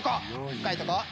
深いとこ。